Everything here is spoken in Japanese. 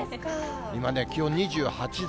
今ね、気温２８度。